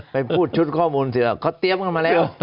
ไปพูดชุดข้อมูลเสือเขาเตรียมเข้ามาแล้ว